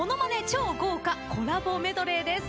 超豪華コラボメドレーです。